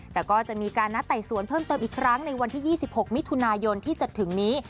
แต่ก็จะมีการนัดไต่สวนเพิ่มเติมอีกครั้งในวันที่๒๖มิถุนายนที่จะถึงนี้